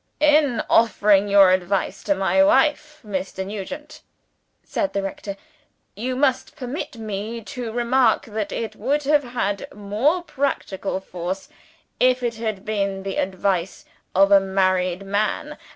"In offering your advice to my wife, Mr. Nugent," said the rector, "you must permit me to remark that it would have had more practical force if it had been the advice of a married man.